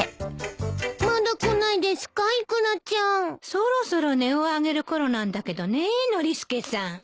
そろそろ音を上げるころなんだけどねノリスケさん。